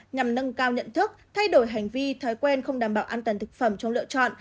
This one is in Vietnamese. nhằm nâng cao nhận thức thay đổi hành vi thói quen không đảm bảo an toàn thực phẩm trong lựa chọn